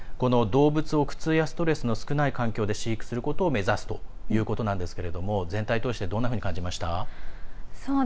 動物を苦痛やストレスの少ない環境で飼育することを目指すということなんですが全体通してどんなふうに感じました？